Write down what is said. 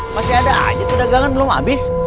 masih ada aja pedagangan belum habis